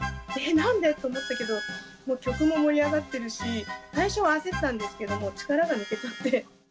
なんで？と思ったけど、もう曲も盛り上がってるし、最初は焦ったんですけれども、力が抜けちゃって。